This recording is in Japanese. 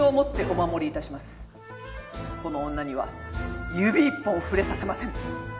この女には指一本触れさせません。